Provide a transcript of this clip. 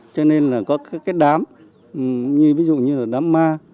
cho nên là có cái đám ví dụ như là đám ma